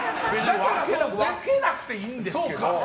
分けなくていいんですけど。